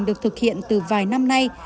được thực hiện từ vài năm nay